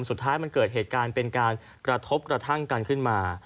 สุดท้ายมันเกิดเหตุการณ์เป็นการกระทบกระทั่งกันขึ้นมา